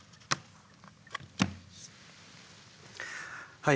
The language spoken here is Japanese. はい。